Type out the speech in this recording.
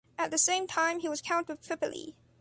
At the same time he was Count of Tripoli.